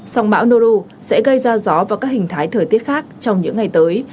sông mã noru sẽ gây ra gió và các hình thái thời tiết khác trong những ngày tới